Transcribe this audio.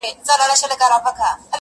آخر به وار پر سینه ورکړي؛